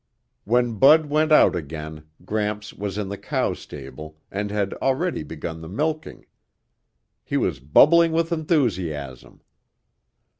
When Bud went out again, Gramps was in the cow stable and had already begun the milking. He was bubbling with enthusiasm.